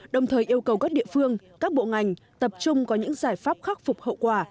đồng thời yêu cầu các địa phương các bộ ngành tập trung có những giải pháp khắc phục hậu quả